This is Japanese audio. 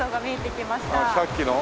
さっきの？